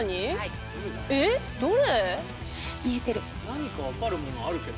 何か分かるものあるけど。